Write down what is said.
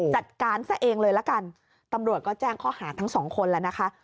จัดการซะเองเลยละกันตำรวจก็แจ้งข้อหาทั้งสองคนแล้วนะคะ